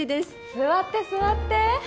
座って座って！